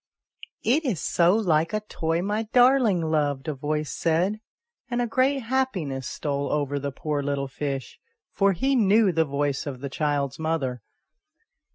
" It is so like a toy my darling loved !" a voice said ; and a great happiness stole over the poor little fish, for he knew the voice of the child's mother.